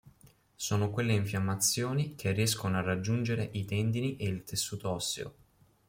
Sono quelle infiammazioni che riescono a raggiungere i tendini e il tessuto osseo.